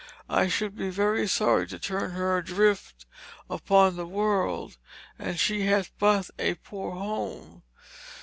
I should be very sorry to turn her adrift upon the world, and she hath but a poor home.